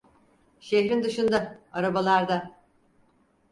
Şehrin dışında, arabalarda!